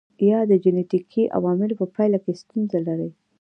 یا د جنېټیکي عواملو په پایله کې ستونزه لري.